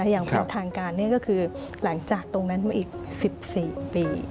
อย่างเป็นทางการนี่ก็คือหลังจากตรงนั้นมาอีก๑๔ปี